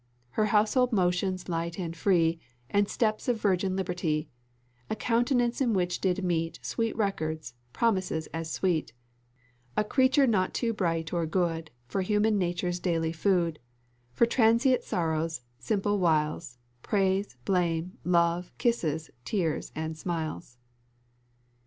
Her household motions light and free, And steps of virgin liberty; A countenance in which did meet Sweet records, promises as sweet; A creature not too bright or good For human nature's daily food; For transient sorrows, simple wiles, Praise, blame, love, kisses, tears, and smiles."